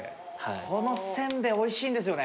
この煎餅おいしいんですよね